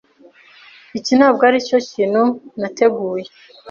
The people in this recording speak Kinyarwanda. Iki ntabwo aricyo kintu nateguye.